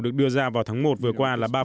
được đưa ra vào tháng một vừa qua là ba